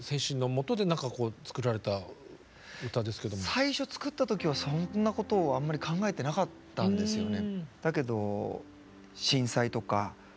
最初作った時はそんなことをあんまり考えてなかったんですよね。